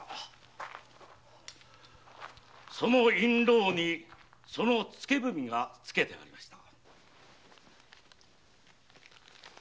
その印籠にその付け文がつけてありました。